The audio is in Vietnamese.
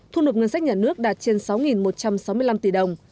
thu nộp ngân sách nhà nước đạt trên sáu một trăm sáu mươi năm tỷ đồng